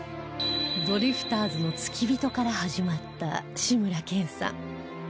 ドリフターズの付き人から始まった志村けんさん